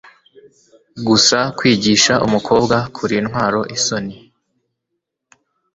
gusa kwigisha umukobwa kurintwaro isoni